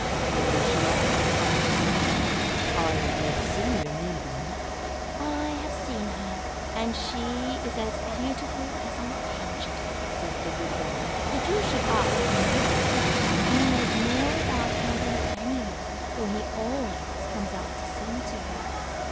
"What is she like?" asked the Sunbeam. "I have never seen a Moonbeam." "I have seen her, and she is as beautiful as an angel," said the Wood dove. "But you should ask the Nightingale. He knows more about her than any one, for he always comes out to sing to her."